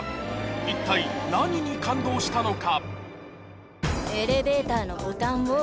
一体何に感動したのか？